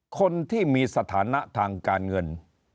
คนที่มีสถานะทางการเงิน